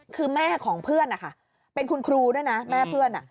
คือแม่ของเพื่อนนะคะเป็นคุณครูด้วยนะแม่เพื่อน